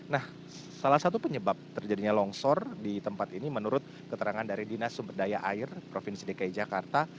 nah salah satu penyebab terjadinya longsor di tempat ini menurut keterangan dari dinas sumberdaya air provinsi dki jakarta